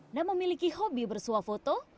nggak memiliki hobi bersuafoto